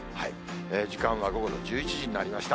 時間は午後の１１時になりました。